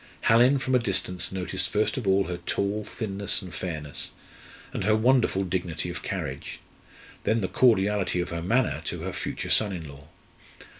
Hallin from a distance noticed first of all her tall thinness and fairness, and her wonderful dignity of carriage; then the cordiality of her manner to her future son in law.